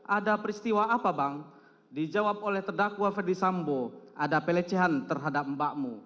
ada peristiwa apa bang dijawab oleh terdakwa ferdisambo ada pelecehan terhadap mbakmu